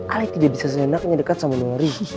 ale tidak bisa senangnya dekat sama nuri